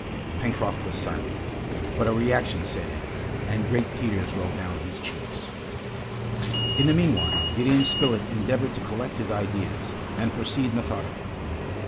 Pencroft was silent, but a reaction set in, and great tears rolled down his cheeks. In the meanwhile, Gideon Spilett endeavored to collect his ideas, and proceed methodically.